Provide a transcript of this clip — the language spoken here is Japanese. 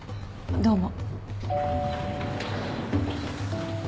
どうも。